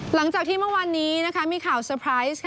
หลังจากที่เมื่อวานนี้นะคะมีข่าวเตอร์ไพรส์